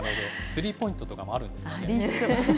スリーポイントとかもあるんですありそう。